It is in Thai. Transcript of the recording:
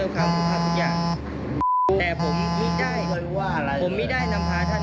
เบื้องกำลังจากเรื่อง